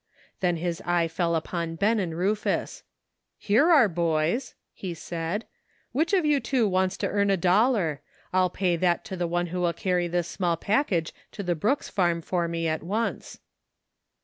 Then his eye fell upon Ben and Rufus. " Here are boys," he said ;" which of you two wants to earn a dollar ? I'll pay that to the one who will carry this small package to the Brooks farm for me at once."